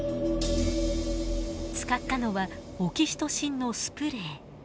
使ったのはオキシトシンのスプレー。